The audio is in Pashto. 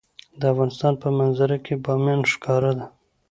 د افغانستان په منظره کې بامیان ښکاره ده.